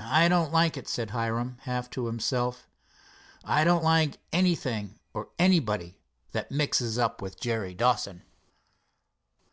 "I don't like it," said Hiram, half to himself, "I don't like anything or anybody that mixes up with Jerry Dawson."